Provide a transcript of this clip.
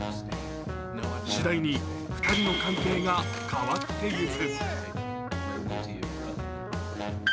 次第に２人の関係が変わっていく。